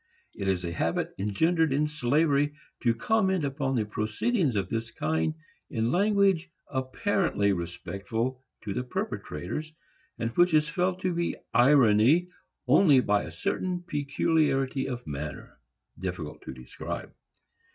It is a habit engendered in slavery to comment upon proceedings of this kind in language apparently respectful to the perpetrators, and which is felt to be irony only by a certain peculiarity of manner, difficult to describe.